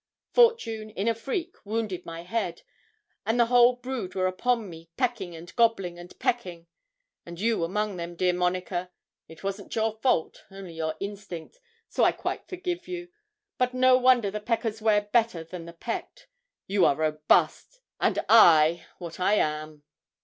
Fortune, in a freak, wounded my head, and the whole brood were upon me, pecking and gobbling, gobbling and pecking, and you among them, dear Monica. It wasn't your fault, only your instinct, so I quite forgive you; but no wonder the peckers wear better than the pecked. You are robust; and I, what I am."